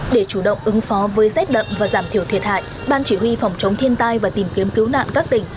để chủ động ứng phó với rét đậm và giảm thiểu thiệt hại ban chỉ huy phòng chống thiên tai và tìm kiếm cứu nạn các tỉnh